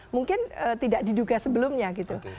mungkin tidak diduga sebelumnya gitu